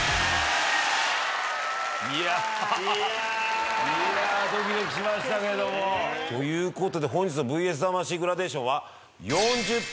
いやドキドキしましたけども。ということで本日の『ＶＳ魂』グラデーションは。